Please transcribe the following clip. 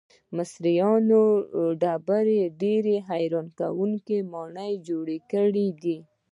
مصریانو د ډبرو ډیرې حیرانوونکې ماڼۍ جوړې کړې دي.